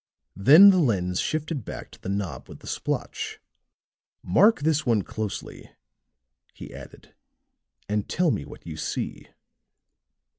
Then the lens shifted back to the knob with the splotch. "Mark this one closely," he added, "and tell me what you see."